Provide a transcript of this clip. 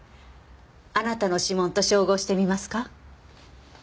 あなたの指紋と照合してみますか？